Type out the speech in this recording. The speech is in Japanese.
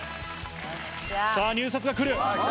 さあ、入札が来る。